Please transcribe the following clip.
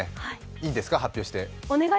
いいですか、発表して。